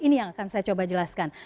ini yang akan saya coba jelaskan